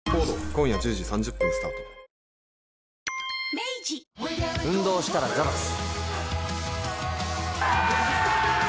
明治運動したらザバス。